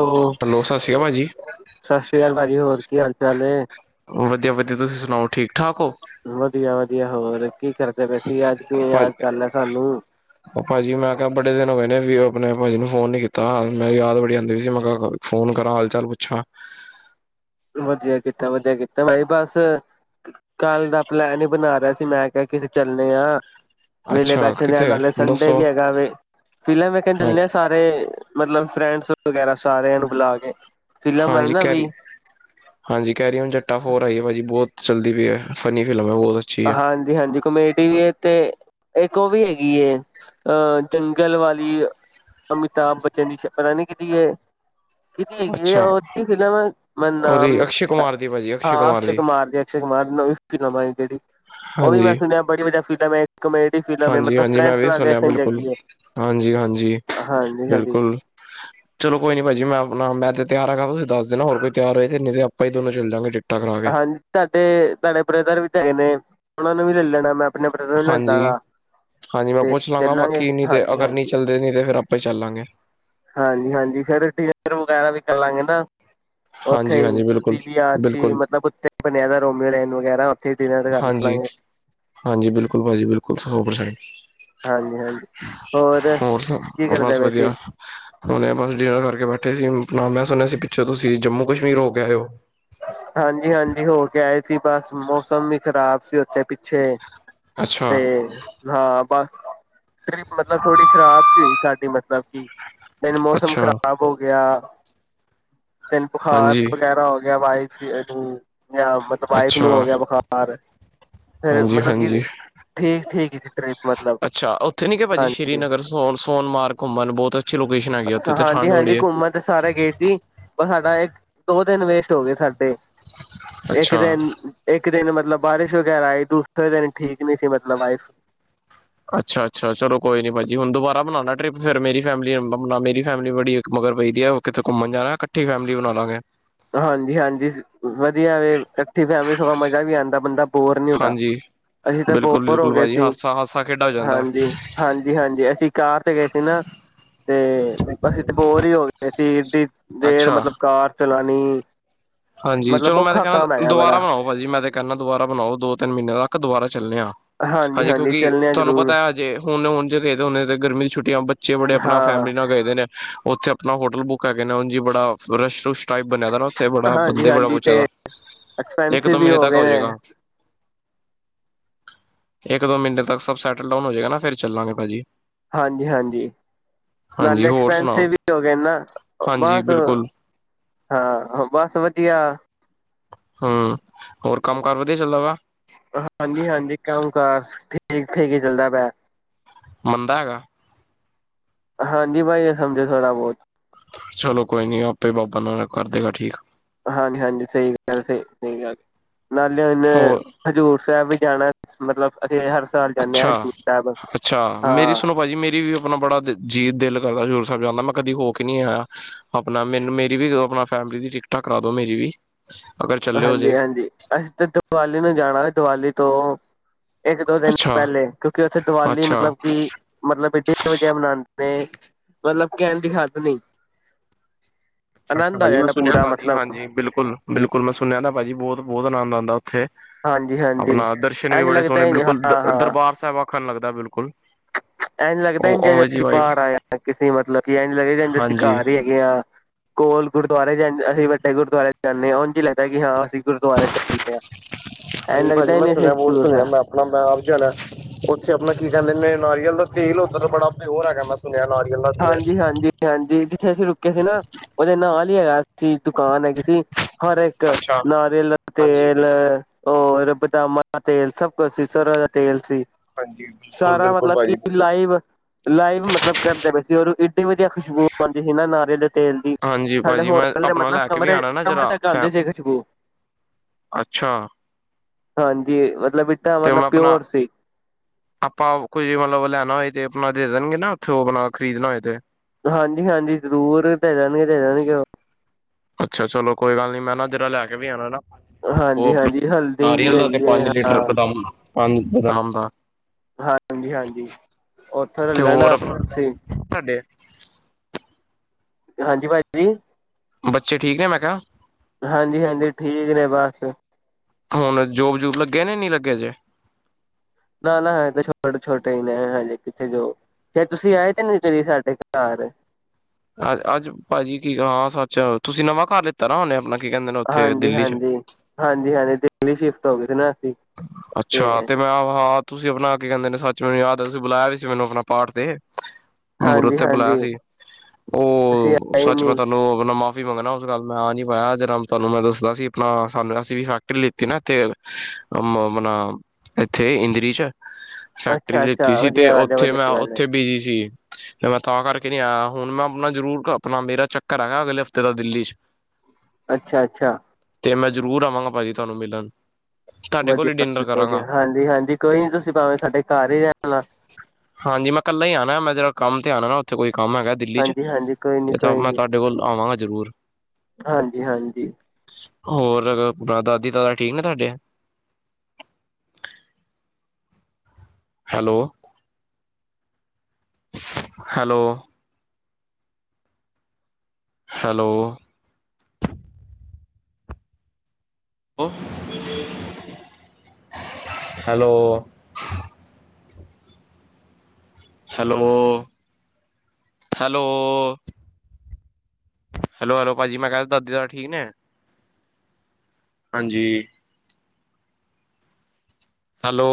Hello, ਸਤਿ ਸ਼੍ਰੀ ਅਕਾਲ ਭਾਜੀ। ਸਤਿ ਸ੍ਰੀ ਅਕਾਲ ਭਾਜੀ ਹੋਰ ਕੀ ਹਾਲ ਚਾਲ ਨੇ। ਵਧੀਆ- ਵਧੀਆ ਤੁਸੀਂ ਸੁਣਾਓ ਠੀਕ। ਠਾਕ ਹੋ। ਵਧੀਆ-ਵਧੀਆ ਹੋਰ ਕੀ ਕਰ ਪਏ ਸੀ ਅੱਜ ਕਿਵੇਂ ਯਾਦ ਲਿਆ ਸਾਨੂੰ? ਭਾਜੀ-ਭਾਜੀ ਮੈਂ ਕਿਹਾ ਬੜੇ ਦਿਨ ਹੋ ਗਏ ਨੇ, ਮੈ ਭਾਜੀ ਨੂੰ ਫੋਨ ਨੀ ਕੀਤਾ, ਮੈਂ ਯਾਦ ਬੜੀ ਆਦੀ ਪੋਈ ਸੀ, ਮੈਂ ਫੋਨ ਕਰਾਂ ਹਾਲ-ਚਾਲ ਪੁੱਛਾਂ, ਵਧੀਆ ਕੀਤਾ ਵਧੀਆ ਕੀਤਾ ਬਾਈ ਬਸ, ਕੱਲ ਦਾ ਪਲੈਨ ਹੀ ਬਣਾ ਰਿਹਾ ਸੀ, ਮੈਂ ਕਿਹਾ ਕਿਤੇ ਚੱਲੇ ਆ। ਵੇਲੇ ਅੱਛਾ ਬੈਠੇ ਰੇ ਆ ਕਿੱਥੇ ਨਾਲੇ ਸੰਡੇ ਦੱਸੋ ਵੀ ਹੈਗਾ ਵੇ, ਫਿਲਮ ਵੇਖਣ ਹਾਂ ਚੱਲ ਦੇ ਆ ਸਾਰੇ, ਮਤਲਬ ਫਰੈਂਡਸ ਵਗੈਰਾ ਸਾਰਿਆਂ ਨੂੰ ਬੁਲਾ ਕੇ ਫਿਲਮ ਆਈ ਹਾਂਜੀ ਨਾ ਕੈਰੀ ਵੀ, ਹਾਂਜੀ ਕਹਿ ਰਹੀ ਹੁਣ ਜੱਟਾ ਫੋਰ ਆਈ ਹੈ, ਭਾਜੀ ਬਹੁਤ ਚੱਲਦੀ ਪਈ ਹੈ, ਫੰਨੀ ਫਿਲਮ ਹੈ ਬਹੁਤ ਅੱਛੀ ਹੈ। ਹਾਂਜੀ-ਹਾਂਜੀ ਕਮੇਡੀ ਵੀ ਤੇ ਇੱਕ ਉਹ ਵੀ ਹੈਗੀ ਐ, ਅਹ ਜੰਗਲ ਵਾਲੀ। ਅਮਿਤਾ ਬੱਚਨ ਪਤਾ ਨੀ ਕੀਦੀ ਐ। ਹੈਗੀ ਐ, ਅੱਛਾ ਉਹਦੀ ਫਿਲਮ ਮੈਂ ਨਾਮ ਉਹਦੀ ਨੀ ਅਕਸ਼ੇ ਕੁਮਾਰ ਦੀ ਭਾਜੀ ਹਾਂ ਅਕਸ਼ੇ ਕੁਮਾਰ ਦੀ ਅਕਸ਼ੇ ਕੁਮਾਰ ਦੀ ਫਿਲਮਾਂ ਜੇੜੀ, ਉਹ ਵੀ ਮੈਂ ਸੁਣਿਆ ਬੜੀ ਵਧੀਆ ਫਿਲਮ ਐ। ਹਾਂਜੀ-ਹਾਂਜੀ ਮੈਂ ਵੀ ਸੁਣਿਆ ਬਿਲਕੁਲ, ਜਗੀ ਹੈ ਹਾਂਜੀ-ਹਾਂਜੀ ਹਾਂਜੀ ਹਾਂਜੀ ਬਿਲਕੁਲ। ਹ ਚਲੋ ਕੋਈ ਨੀ ਭਾਜੀ ਮੈਂ ਆਪਣਾ ਮੈਂ ਤੇ ਤਿਆਰ ਹੈਗਾ, ਤੁਸੀ ਦੱਸ ਦੇਣਾ ਹੋਰ ਕੋਈ ਤਿਆਰ ਹੋਏ, ਤੇ ਨਹੀਂ ਤੇ ਆਪਾਂ ਹੀ ਦੋਨੋ ਚੱਲ ਜਾ ਗੇ। ਹਾਂਜੀ, ਸਾਡੇ ਤੁਹਾਡੇ ਬ੍ਰਦਰ ਵੀ ਹੈਗੇ ਨੇ। ਉਹਨਾਂ ਨੂੰ ਵੀ ਲੈ ਲੈਣਾ ਮੈਂ ਆਪਣੇ ਬ੍ਰਦਰ ਨੂੰ ਲੈ ਹਾਂਜੀ ਜਾਣਾ, ਹਾਂਜੀ, ਮੈਂ ਪੁੱਛ ਲਾਂਗਾ ਬਾਕੀ ਤੇ ਅਗਰ ਨਹੀਂ ਚੱਲਦੇ ਨਹੀਂ ਤੇ ਫੇਰ ਆਪੇ ਚੱਲਾਂਗੇ। ਹਾਂਜੀ-ਹਾਂਜੀ ਫੇਰ ਟੀਰ ਵਗੈਰਾ ਵੀ ਕਰ ਲਾਂਗੇ ਨਾ, ਉੱਥੇ ਹਾਂਜੀ ਹੀ ਹਾਂਜੀ ਬਿਲਕੁਲ ਪੀ ਵੀ ਆਰਚ, ਬਿਲਕੁਲ ਮਤਲਬ ਉੱਥੇ ਬਣਿਆ ਦਾ ਰੋਮੀਓ ਲੈਨ ਵਗੈਰਾ, ਹੀ ਡਿਨਰ ਕਰ ਲਾਂਗੇ ਹਾਂਜੀ-ਹਾਂਜੀ, ਬਿਲਕੁਲ ਭਾਜੀ ਬਿਲਕੁਲ ਸੋ ਪਰਸੇਟ, ਹਾਂਜੀ-ਹਾਂਜੀ, ਹੋਰ ਬਸ ਵਧੀਆ, ਹੁਣ ਬਸ ਡਿਨਰ ਕਰਕੇ ਬੈਠੇ, ਬੈਠੇ ਸੀ, ਮੈਂ ਸੁਣਿਆ ਸੀ ਪਿੱਛੋਂ ਤੁਸੀਂ ਜੰਮੂ ਕਸ਼ਮੀਰ ਹੋ ਕੇ ਆ ਔ? ਹਾਂਜੀ-ਹਾਂਜੀ ਹੋ ਕੇ ਆਏ ਸੀ ਬਸ ਮੌਸਮ ਵੀ ਖ਼ਰਾਬ ਸੀ ਉੱਥੇ ਪਿੱਛੇ ਅੱਛਾ ਤੇ ਹਾਂ ਬਸ ਟਰਿਪ ਮਤਲਬ ਥੋੜੀ ਖ਼ਰਾਬ ਹੀ ਹੋਈ ਸਾਡੀ ਮਤਲਬ ਕਿ ਦਿਨ ਮੌਸਮ ਅੱਛਾ ਖ਼ਰਾਬ ਹੋ ਗਿਆ। ਦੈਨ ਬੁਖਾਰ ਹਾਂਜੀ ਵਗੈਰਾ ਹੋ ਗਿਆ ਵਾਈਫ ਮਤਲਬ ਵਾਈਫ ਅੱਛਾ ਨੂੰ ਹੋ ਗਿਆ ਬੁਖਾਰ, ਫਿਰ ਹਾਂਜੀ ਮਤਲਬ, ਕਿ ਹਾਂਜੀ ਠੀਕ-ਠੀਕ ਜੀ ਟ੍ਰਿਪ ਮਤਲਬ, ਅੱਛਾ ਉੱਥੇ ਨੀ ਭਾਜੀ ਹਾਂਜੀ ਸ਼੍ਰੀਗਰੋ ਸੋਨਾਰ ਘੁੰਮਣ ਬਹੁਤ, ਅੱਛੀ ਲੋਕੇਸ਼ਨ ਹੈਗੀ ਆ, ਉੱਥੇ ਅੱਛਾ ਤੇ ਠੰਡ ਹਾਂਜੀ-ਹਾਂਜੀ, ਬੜੀ ਹੈ ਘੁੰਮਣ ਤੇ ਸਾਰੇ ਗਏ ਸੀ, ਬਸ ਸਾਡਾ ਐ ਦੋ ਦਿਨ ਵੇਸਟ ਹੋ ਗਏ ਸਾਡੇ ਇੱਕ ਅੱਛਾ ਦਿਨ ਇੱਕ, ਦਿਨ ਮਤਲਬ ਬਾਰਿਸ਼ ਵਗੈਰਾ ਆਈ ਦੂਸਰੇ ਦਿਨ ਠੀਕ ਨਹੀਂ ਸੀ ਮਤਲਬ ਵਾਈਫ। ਅੱਛਾ-ਅੱਛਾ, ਚਲੋ ਕੋਈ ਨੀ ਭਾਜੀ ਹੁਣ ਦੁਬਾਰਾ ਬਉਣਾ ਟਿਪ ਫਿਰ ਮੇਰੀ ਫੈ ਮੇਰੀ ਫੈਮਿਲੀ ਬੜ ਮਗਰ ਪਈਦੀ ਹੈ ਉਹ ਕਿਤੇ ਘੁੰਮਣ ਜਾਣਾ ਇਕੱਠੀ ਫੈਮਿਲੀ ਬਣਾ ਲਾਂਗੇ। ਹਾਂਜੀ-ਹਾਂਜੀ, ਵਧੀਆ ਵੇ ਇਕੱਠੀ ਫੈਮਲੀ ਸਗੋਂ ਮਜ਼ਾ ਵੀ ਆਉਂਦਾ ਬੰਦਾ ਬੋਰ ਨਹੀਂ ਹੁੰਦਾ, ਹਾਂਜੀ ਅਸੀਂ ਤਾਂ ਬਿਲਕੁਲ ਬੋਰ ਹੋ ਬਿਲਕੁਲ ਗਏ ਭਾਜੀ ਸੀ। ਹਾਸਾ ਹਾਸਾ ਖੇਡਾ ਹੋ ਜਾਂਦਾ ਹਾਂਜੀ-ਹਾਂਜੀ-ਹਾਂਜੀ, ਅਸੀਂ ਕਾਰ ਤੇ ਗਏ ਸੀ ਨਾ। ਤੇ ਅਸੀਂ ਤੇ ਬੋਰ ਹੀ ਹੋ ਗਏ ਸੀ, ਦੇਰ ਅੱਛਾ ਮਤਲਬ ਕਾਰ ਚਲਾਣੀ। ਹਾਂਜੀ, ਮਤਲਬ ਚਲੋ ਮੈਂ ਤੇ ਔਖਾ ਕੰਮ ਕਹਿੰਦਾ ਹੈਗਾ ਦੁਬਾਰਾ ਬੜਾ ਬਣਾਓ, ਭਾਜੀ ਮੈਂ ਤੇ ਕਹਿੰਦਾ ਦੁਬਾਰਾ ਬਣਾਓ ਦੋ ਤਿੰਨ ਮਹੀਨੇ ਤੱਕ ਦੁਬਾਰਾ ਚੱਲਨੇ ਆ। ਹਾਂ ਹਜੇ ਕਿਉਂਕਿ ਤੁਹਾਨੂੰ ਪਤਾ ਹਜੇ ਹੁਣ ਹੁਣ ਜੇ ਗਏ ਦੇ ਹੁੰਦੇ, ਤੇ ਗਰਮੀ ਦੀ ਛੁੱਟੀਆਂ ਬੱਚੇ ਬੜੇ ਆਪਣਾ ਹਾਂ ਫੈਮਿਲੀ ਨਾਲ ਗਏ ਦੇ ਨੇ, ਉੱਥੇ ਆਪਣਾ ਹੋਟਲ ਬੁੱਕ ਹੈ, ਕਰਕੇ ਨਾ ਉਝ ਹੀ ਬੜਾ ਰਸ਼-ਰੁਸ਼ ਟਾਈਪ ਬਣਿਆ ਦਾ ਨਾ ਉੱਥੇ ਬੜਾ, ਬੰਦੇ ਬੜਾ ਹਾਂਜੀ ਪੁੱਛਿਆ ਤੇ ਦਾ ਇੱਕ ਐਕਸਪੈਂਸਿਵ ਦੋ ਵੀ ਮਹੀਨੇ ਹੋ ਤੱਕ ਗਏ ਜਾਏਗਾ ਨੇ, ਇੱਕ ਦੋ ਮਿੰਟੇ ਤੱਕ ਸਭ ਸੈਟਲ ਡਾਊਨ ਹੋ ਜਾਏਗਾ, ਨਾ ਫਿਰ ਚੱਲਾਂਗੇ ਭਾਜੀ। ਹਾਂਜੀ-ਹਾਂਜੀ। ਹਾਂਜੀ ਨਾਲੇ ਹੋਰ ਸੁਣਾਓ ਐਕਸਪੈਂਸਿਵ ਵੀ ਹੋ ਗਏ ਨਾ ਹਾਂਜੀ ਬਸ ਬਿਲਕੁਲ ਹਾਂ, ਬਸ ਵਧੀਆ। ਹੂੰ, ਹੋਰ ਕੰਮ-ਕਾਰ ਵਧੀਆ ਚਲਦਾ ਵਾ। ਹਾਂਜੀ-ਹਾਂਜੀ ਕੰਮ-ਕਾਰ ਠੀਕ-ਠੀਕ ਹੀ ਚਲਦਾ ਪਿਆ। ਮੰਦਾ ਹੈਗਾ। ਹਾਂਜੀ, ਬਾਈ ਇਹ ਸਮਝੋ ਥੋੜ੍ਹਾ ਬਹੁਤ। ਚਲੋ, ਕੋਈ ਨੀ ਆਪੇ ਬਾਬਾ ਨਾਨਕ ਕਰ ਦੇਗਾ ਠੀਕ। ਹਾਂਜੀ-ਹਾਂਜੀ, ਸਹੀ ਗਲ ਸਹੀ-ਸਹੀ ਗਲ, ਨਾਲੇ ਇਨੇ ਹੋਰ ਹਜ਼ੂਰ ਸਾਹਿਬ ਵਿਚ ਜਾਣਾ ਮਤਲਬ ਅਸੀਂ ਹਰ ਸਾਲ ਜਾਂਦੇ ਹਾਂ ਹਜ਼ੂਰ ਸਾਹਿਬ ਅੱਛਾ-ਅੱਛਾ ਮੇਰੀ ਹਾਂ ਸੁਣੋ ਭਾਜੀ ਮੇਰੀ ਵੀ ਆਪਣਾ ਬੜਾ ਜੀਤ ਦਿਲ ਅਗਲਾ ਹਜ਼ੂਰ ਸਾਹਿਬ ਜਾਂਦਾ ਮੈਂ ਕਦੀ ਹੋ ਕੇ ਨਹੀ ਆਇਆ, ਆਪਣਾ ਮੈਨੂੰ ਮੇਰੀ ਵੀ ਆਪਣੀ ਫੈਮਲੀ ਦੀ ਟੀਕਟ ਨਾਲ ਟੀਕਟ ਕਰਾ ਦੋ ਮੇਰੀ ਵੀ। ਅਗਰ ਚੱਲੇ ਹੋ ਜੇ ਹਾਂਜੀ-ਹਾਂਜੀ, ਅਸੀ ਤਾਂ ਦੀਵਾਲੀ ਨੂੰ ਜਾਣਾ, ਦੀਵਾਲੀ ਤੋ ਇਕ-ਦੋ ਦਿਨ ਅੱਛਾ ਪਹਿਲੇ, ਕਿਉ ਕਿ ਉਥੇ ਦੀਵਾਲੀ ਅੱਛਾ ਮਤਲਬ ਕਿ ਮਤਲਬ ਬੜੀ ਵਧੀਆ ਮਨਾਉਦੇ ਤੇ ਮਤਲਬ ਕਹਿਣ ਦੀ ਹਦ ਨਹੀ ਅੱਛਾ -ਅੱਛਾਜੀ, ਸੁਣਿਆ ਭਾਜੀ ਹਾਂਜੀ, ਬਿਲਕੁਲ-ਬਿਲਕੁਲ ਮੈਂ ਸੁਣਿਆ ਭਾਜੀ ਬਹੁਤ-ਬਹੁਤ ਆਨੰਦ ਆਂਦਾ। ਤੇ ਹਾਂਜੀ ਹਾਂਜੀ ਆਪਣਾ ਦਰਸ਼ਨ ਵੀ ਇੰਝ ਬੜੇ ਲੱਗਦਾ ਸੋਹਣੇ ਹੀ ਨੀ, ਬਿਲਕੁਲ ਹਾਂ ਹਾਂ ਦਰਬਾਰ ਸਾਹਿਬ ਆਕਣ ਲਗਦਾ ਬਿਲਕੁਲ। ਐਂਜ ਲੱਗਦਾ ਉਹ ਉਵੇਂ ਜੀ ਅਸੀ ਵਾਈਬ ਬਾਹਰ ਆਏ ਕਿਸੇ ਮਤਲਬ ਕਿ ਐਂਜ ਲੱਗਦਾ ਅਸੀ ਹਾਂਜੀ। ਘਰ ਹੀ ਹੈਗੇ ਹਾਂ। ਕੋਲ ਗੁਰਦੁਆਰੇ ਅਸੀ ਵਡੇ ਗੁਰਦੁਆਰੇ ਜਾਂਦੇ ਹਾਂ ਉਹਝ ਲੱਦਾ ਕਿ ਹਾਂ ਅਸੀ ਗੁਰਦੁਆਰੇ ਚਲਦੇ ਹਾਂ। ਐਨ ਹਾਂਜੀ ਲੱਗਦਾ ਭਾਜੀ ਹੀ ਮੈਂ ਨਹੀਂ ਅਸੀਂ ਸੁਣਿਆ ਬਹੁਤ ਹਜ਼ੂਰ ਸੁਣਿਆ ਸਾਹਿਬ ਮੈ ਆਪਣਾ ਮੈ ਆਪ ਜਾਣਾ ਉਥੇ ਆਪਣਾ ਕੀ ਕਹਿਦੇ ਨੇ ਨਾਰੀਅਲ ਦਾ ਤੇਲ ਉਧਰ ਬੜਾ ਪਿਓਰ ਹੈਗਾ ਮੈਂ ਸੁਣ ਹਾਂਜੀ-ਹਾਂਜੀ-ਹਾਂਜੀ ਜਿਥੇ ਅਸੀ ਰੁਕੇ ਸੀ ਨਾ ਉਹਦੇ ਨਾਲ ਹੈਗਾ ਦੁਕਾਨ ਹੈਗੀ ਸੀ ਹਰ ਇਕ ਅੱਛਾ। ਨਾਰੀਅਲ ਹਾਂਜੀ ਤੇਲ ਹੋਰ ਬਦਾਮਾਂ ਤੇਲ ਸਭ ਕੁਝ ਸੀ ਸਰੋ ਦਾ ਤੇਲ ਸੀ। ਹਾਂਜੀ ਬਿਲਕੁਲ ਸਾਰਾ ਬਿਲਕੁਲ ਮਤਲਬ ਕਿ ਭਾਜੀ ਬਿਲਕੁਲ। ਲਾਈਵ- ਲਾਈਵ ਮਤਲਬ ਕਢਦੇ ਪਏ ਇਏਡੀ ਵਧੀਆ ਖੁਸ਼ਬੂ ਆਉਦੀ ਸੀ ਨਾ ਨਾਰੀਅਲ ਦੇ ਤੇਲ ਦੀ। ਹਾਂਜੀ ਸਾਡੇ ਭਾਜੀ ਮੈਂ ਹੋਟਲ ਦੇ ਆਪਣਾ ਮਤਲਬ ਲੈ ਕੇ ਵੀ ਆਣਾ ਨਾ ਕਮਰੇ-ਕਮਰੇ ਜਰਾ ਤਕ ਫੈ ਆਉਦੇ ਸੀ ਖੁਸ਼ਬੂ। ਅੱਛਾ। ਹਾਂਜੀ। ਮਤਲਬ ਇੱਦਾਂ ਤੇ ਮੈ ਮਤਲਬ ਆਪਣਾ ਪਿਓਰ ਸੀ ਆਪਾ ਕੁਝ ਮਤਲਬ ਲੈਣਾ ਹੋਏ ਤੇ ਆਪਣਾ ਦੇ ਦੇਣਗੇ ਨਾ ਉਥੇ ਉਹ ਆਪਣਾ ਖਰੀਦਣਾ ਹੋਏ ਤੇ। ਹਾਂਜੀ-ਹਾਂਜੀ ਜ਼ਰੂਰ ਦੇ ਦੇਣਗੇ ਦੇ-ਦੇਣਗੇ ਉਹ ਅੱਛਾ, ਚਲੋ ਕੋਈ ਗੱਲ ਨੀ ਮੈਂ ਜਰਾ ਲੈ ਕੇ ਵੀ ਆਉਣਾ ਨਾ। ਉਹ ਹਾਂਜੀ ਆਪਣਾ ਹਾਂਜੀ ਕੀ ਕਹਿੰਦੇ ਹਲਦੀ ਵੀ ਨਾਰੀਅਲ ਦਾ ਤੇ ਹੈਗੀ ਹੈ ਪੰਜ ਲੀਟਰ ਹਾਂ ਬਦਾਮ ਪੰਜ ਬਦਾਮਾ ਦਾ। ਹਾਂਜੀ-ਹਾਂਜੀ ਉਥੋ ਲੈ ਤੇ ਹੋਰ ਲੈਣਾਸੀ। ਤੁਹਾਡੇ ਹਾਂਜੀ ਭਾਜੀ ਜੀ। ਬੱਚੇ ਠੀਕ ਨੇ ਮੈਂ ਕਿਹਾ। ਹਾਂਜੀ ਹਾਂਜੀ ਠੀਕ ਨੇ ਬਸ। ਹੁਣ ਜੋਬ ਜੁਬ ਲੱਗੇ ਨੇ ਨਹੀ ਲਗੇ ਜੇ। ਨਾ ਨਾ ਹਲੇ ਤਾਂ ਛੋਟੇ ਛੋਟੇ ਹੀ ਨੇ ਹਲੇ ਕਿਥੇ ਜੋਬ ਫੇਰ ਤੁਸੀ ਆਏ ਤੇ ਨੀ ਕਦੇ ਸਾਡੇ ਘਰ। ਸਾਰੇ। ਅ ਅੱਜ ਭਾਜੀ ਕੀ ਹਾਂ ਸੱਚ ਤੁਸੀ ਨਵਾ ਘਰ ਲਿਤਾ ਨਾ ਉਹਨੇ ਆਪਣਾ। ਕੀ ਕਹਿੰਦੇ ਨੇ ਉੱਥੇ ਦਿੱਲੀ ਚ ਹਾਂਜੀ-ਹਾਂਜੀ-ਹਾਂਜੀ-ਹਾਂਜੀ ਦਿੱਲੀ ਸ਼ਿਫਟ ਹੋ ਗਈ ਸੀ ਨਾ ਅਸੀ। ਅੱਛਾ ਤੇ ਮੈਂ ਹਾਂ ਤੁਸੀ ਆਪਣਾ ਕੇ ਕਹਿਦੇ ਨੇ ਸਚ ਮੈਨੂੰ ਯਾਦ ਹੈਸੀ ਬੁਲਾਇਆ ਵੀ ਸੀ ਮੈਨੂੰ ਆਪਣਾ ਪਾਠ ਤੇ ਹਾਂਜੀ ਮੁਰਉਥੇ ਬੁਲਾਇਆ ਹਾਂਜੀ ਸੀ। ਤੁਸੀਂ ਉਹ ਆਏ ਸੱਚ ਮੈਂ ਨੀ ਤੁਹਾਨੂੰ ਮਾਫ਼ੀ ਮੰਗਦਾ ਉਸ ਗਲ ਦਾ ਮੈਂ ਆ ਨੀ ਮੇਰਾ ਜਨਮਦਿਨ ਤੁਹਾਨੂੰ ਮੈਂ ਦਸਨਾ ਸੀ ਆਪਣਾ ਸਾਨੂੰ ਅਸੀ ਵੀ ਫੈਕਟਰੀ ਲਿਤੀ ਨਾ ਐਥੇ ਆਪਣਾ ਇਥੇ ਇੰਦਰੀ ਚ। ਫੈਕਟਰੀ ਅੱਛਾ ਲਿਤੀ ਅੱਛਾ ਸੀ ਤੇ ਵਧੀਆ ਗੱਲ ਹੈ ਉਥੇ ਮੈਂ ਵਧੀਆ ਗੱਲ ਹੈ ਉਥੇ ਬਿਜੀ ਸੀ। ਤੇ ਮੈ ਤਾਂ ਕਰਕੇ ਨਹੀ ਆਇਆ ਹੁਣ ਮੈ ਆਪਣਾ ਜ਼ਰੂਰ ਆਪਣਾ ਮੇਰਾ ਚੱਕਰ ਹੈਗਾ ਅਗਲੇ ਹਫ਼ਤੇ ਦਾ ਦਿੱਲੀ ਚ। ਹ [unintelligible] ਅੱਛਾ ਅੱਛਾ। ਤੇ ਮੈਂ ਜ਼ਰੂਰ ਆਵਾਂਗਾ ਭਾਜੀ ਤੁਹਾਨੂੰ ਮਿਲਣ। ਤੁਹਾਡੇ ਕੋਲ ਹੀ ਵਧੀਆ ਡਿਨਰ ਵਧੀ ਕਰਾਂਗਾ। ਹਾਂਜੀ ਹਾਂਜੀ ਕੋਈ ਨੀ ਤੁਸੀਂ ਭਾਵੇਂ ਸਾਡੇ ਘਰ ਹੀ ਰਹਿਣਾ। ਹਾਂਜੀ ਮੈਂ ਕੱਲਾ ਹੀ ਆਣਾ ਮੈਂ ਜਰਾ ਕੰਮ ਤੇ ਆਉਣਾ ਨਾ ਉੱਥੇ ਕੋਈ। ਕੰਮ ਹੈਗਾ ਦਿੱਲੀ ਚ। ਹਾਂਜੀ ਹਾਂਜੀ ਕੋਈ ਨੀ ਤੇ ਤਾਂ ਕੋਈ ਮੈਂ ਨੀ ਤੁਹਾਡੇ ਕੋਲ ਆਵਾਂਗਾ ਜ਼ਰੂਰ। ਹਾਂਜੀ ਹਾਂਜੀ। ਹੋਰ ਦਾਦੀ ਦਾਦਾ ਠੀਕ ਨੇ ਤੁਹਾਡੇ। Hello hello. Hello. Hello. Hello hello. Hello hello ਭਾਜੀ ਮੈਂ ਕਿਹਾ ਦਾਦੀ ਦਾਦਾ ਠੀਕ ਨੇ। ਹਾਂਜੀ। ਹੈਲੋ।